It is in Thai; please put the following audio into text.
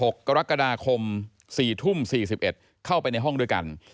๒๖กรกฎาคม๔ทุ่ม๔๑เข้าไปในห้องด้วยกัน